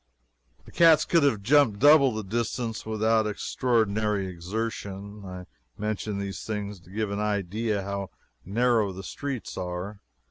The cats could have jumped double the distance without extraordinary exertion. I mention these things to give an idea of how narrow the streets are.